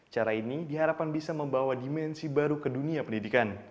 cara ini diharapkan bisa membawa dimensi baru ke dunia pendidikan